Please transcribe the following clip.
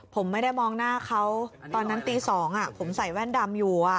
ผมไม่ได้มองหน้าเขาตอนนั้นตี๒ผมใส่แว่นดำอยู่